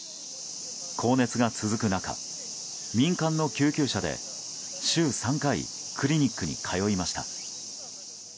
高熱が続く中、民間の救急車で週３回クリニックに通いました。